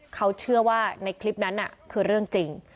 เขาเชื่อว่าในคลิปนั้นคือเรื่องจริง